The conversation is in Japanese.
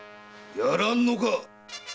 やらぬのか